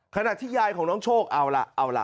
ขณะที่ยายของน้องโชคเอาล่ะเอาล่ะ